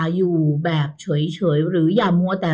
คืออย่าอยู่แบบเฉยหรืออย่ามัวแต่รอ